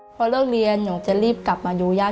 พอเลิกเรียนหนูจะรีบกลับมาดูย่า